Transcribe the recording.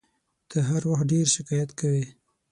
ته هر وخت ډېر شکایت کوې !